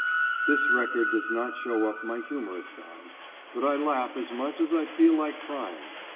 This record does not show up my humorous side, but I laugh as much as I feel like crying.